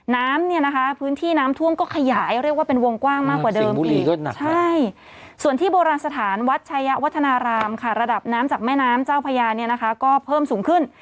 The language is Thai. น้ำเนี่ยนะคะพื้นที่น้ำท่วมก็ขยายเรียกว่าเป็นวงกว้างมากกว่าเดิมบุรีก็หนักใช่ส่วนที่โบราณสถานวัดชายะวัฒนารามค่ะระดับน้ำจากแม่น้ำเจ้าพญาเนี่ยนะคะก็เพิ่มสูงขึ้น